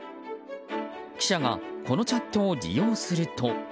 記者がこのチャットを利用すると。